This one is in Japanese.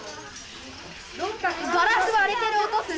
ガラス割れてる音する。